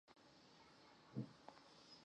中华水芹是伞形科水芹属的植物。